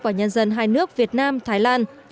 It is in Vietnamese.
và nhân dân hai nước việt nam thái lan